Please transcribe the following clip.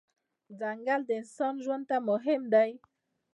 ځنګل د انسان ژوند ته مهم دی.